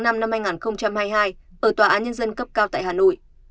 tòa án nhân dân cấp cao tại hà nội